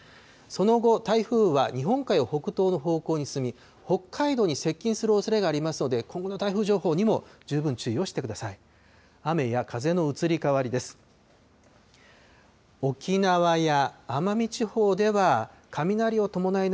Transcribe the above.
その後、台風は日本海を北東の方向に進み、北海道に接近するおそれがありますので、今後の台風情報にも十分注意をしてください。